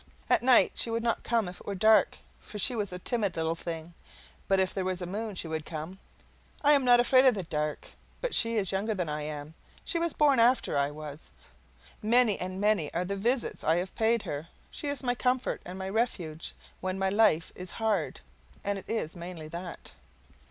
At night she would not come if it was dark, for she was a timid little thing; but if there was a moon she would come. I am not afraid of the dark, but she is younger than I am; she was born after I was. Many and many are the visits I have paid her; she is my comfort and my refuge when my life is hard and it is mainly that.